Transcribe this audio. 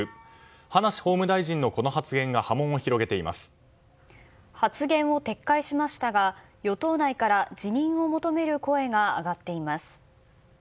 葉梨法務大臣のこの発言が発言を撤回しましたが与党内から辞任を求める声が上がっています。